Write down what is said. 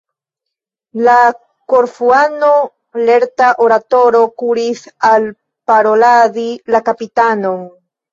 La Korfuano, lerta oratoro, kuris alparoladi la kapitanon.